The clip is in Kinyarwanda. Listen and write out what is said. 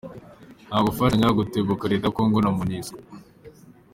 Nta gufatanya gutegeka Leta ya Congo na Monusco.